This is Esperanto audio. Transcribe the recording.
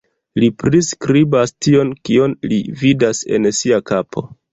Li priskribas tion kion li vidas en sia kapo.